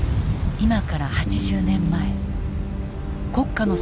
今から８０年前国家の存亡をかけ